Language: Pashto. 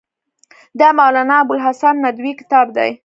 دا مولانا ابوالحسن ندوي کتاب دی.